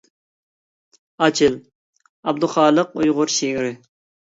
«ئاچىل» — ئابدۇخالىق ئۇيغۇر شېئىرى.